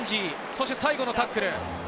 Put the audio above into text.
そして最後のタックル。